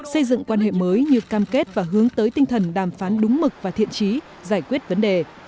xây dựng quan hệ mới như cam kết và hướng tới tinh thần đàm phán đúng mực và thiện trí giải quyết vấn đề